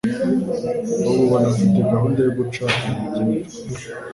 Ubu banafite gahunda yo guca intege imitwe